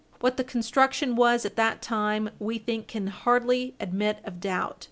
What the construction was at that time we think can hardly admit of doubt.